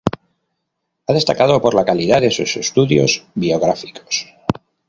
Ha destacado por la calidad de sus estudios biográficos.